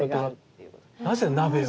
なぜ鍋を？